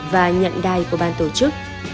và nhận đai của ban tổ chức